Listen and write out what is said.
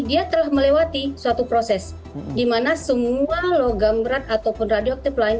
dia telah melewati suatu proses di mana semua logam berat ataupun radioaktif lain